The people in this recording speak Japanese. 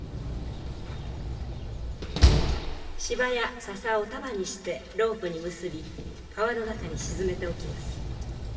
柴や笹を束にしてロープに結び川の中に沈めておきます。